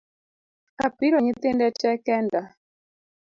Apiro nyithinde tee kenda